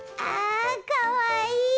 あかわいい。